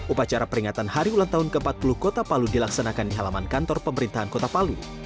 upacara peringatan hari ulang tahun ke empat puluh kota palu dilaksanakan di halaman kantor pemerintahan kota palu